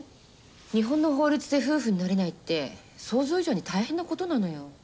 日本の法律で夫婦になれないって想像以上に大変なことなのよ。